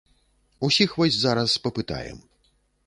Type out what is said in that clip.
Усіх вось зараз папытаем.